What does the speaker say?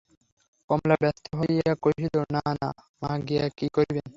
কমলা ব্যস্ত হইয়া কহিল, না না, মা গিয়া কী করিবেন?